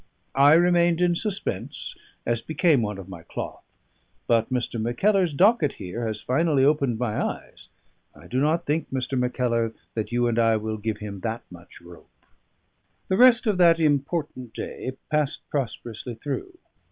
I remained in suspense, as became one of my cloth; but Mr. Mackellar's docket here has finally opened my eyes I do not think, Mr. Mackellar, that you and I will give him that much rope." The rest of that important day passed prosperously through.